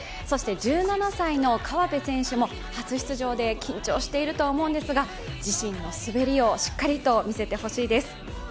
そして１７歳の河辺選手も初出場で緊張していると思うんですが自身の滑りをしっかりと見せてほしいです。